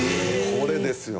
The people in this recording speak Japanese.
これですよ。